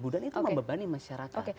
dan itu membebani masyarakat